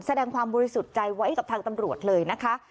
แสดงความบริสุทธิ์ใจไว้กับทางตำรวจเลยนะคะ